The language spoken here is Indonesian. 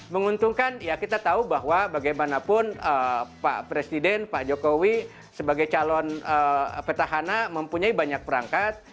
menguntungkan ya kita tahu bahwa bagaimanapun pak presiden pak jokowi sebagai calon petahana mempunyai banyak perangkat